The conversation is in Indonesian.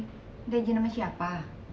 minta izin sama siapa